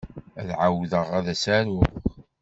Ad ɛawdeɣ ad as-aruɣ.